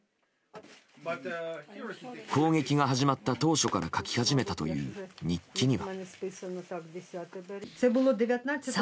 攻撃が始まった当初から書き始めたという日記には。